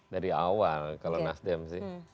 dari awal kalau nasdem sih